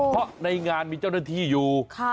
เพราะในงานมีเจ้าหน้าที่อยู่